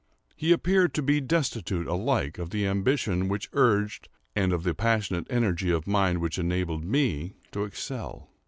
He appeared to be destitute alike of the ambition which urged, and of the passionate energy of mind which enabled me to excel.